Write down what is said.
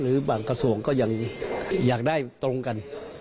หรือบางกระทรวงก็ยังอยากได้ตรงกัน